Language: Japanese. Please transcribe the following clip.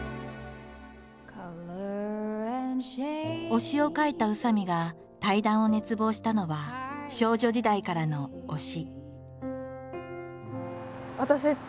「推し」を書いた宇佐見が対談を熱望したのは少女時代からの「推し」。